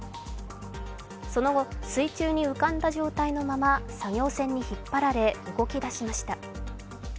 その後、水中に浮かんだ状態のまま作業船に引っ張られ動きだしました。